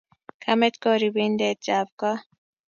Kamet ko ribindet ab kot